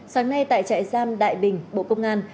sáng nay tại trại giam đại bình bộ công an